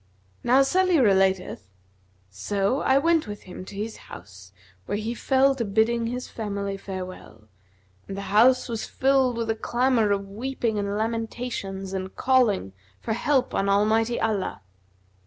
Now Salih relateth: "So I went with him to his house where he fell to bidding his family farewell, and the house was filled with a clamour of weeping and lamentations and calling for help on Almighty Allah.